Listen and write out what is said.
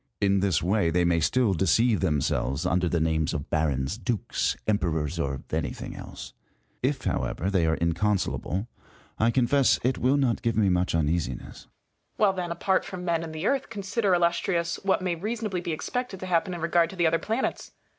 In this way they may still deceive themselves under the names of Barons, Dukes, Emperors, or anything else. If, how ever, they are inconsolable, I confess it will not give me much uneasiness. Copernicus. Well, then, apart from men and the Earth, consider, Illustrious, what may reasonably be expected to happen in regard to the other planets.